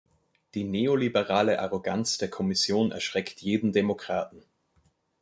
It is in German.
Die neoliberale Arroganz der Kommission erschreckt jeden Demokraten.